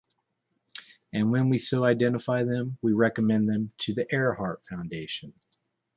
And when we so identify them, we recommend them to the Earhart Foundation.